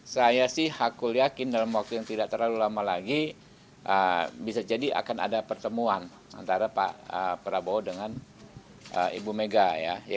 saya sih hakul yakin dalam waktu yang tidak terlalu lama lagi bisa jadi akan ada pertemuan antara pak prabowo dengan ibu mega ya